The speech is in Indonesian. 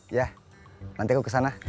iya nanti aku kesana